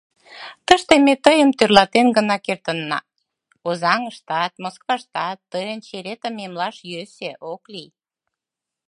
Тыште ме тыйым тӧрлатен гына кертына, Озаҥыштат, Москваштат тыйын черетым эмлаш йӧсӧ, ок лий.